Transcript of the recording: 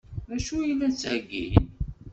D acu i la d-ttheggin?